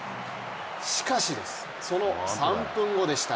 しかし、その３分後でした。